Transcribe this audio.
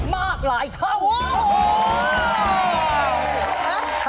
มากหลายเท่า